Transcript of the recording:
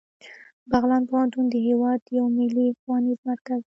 بغلان پوهنتون د هیواد یو ملي ښوونیز مرکز دی